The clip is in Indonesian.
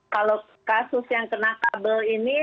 kalau kasus yang kena kabel ini